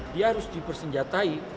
dia harus dipersenjatai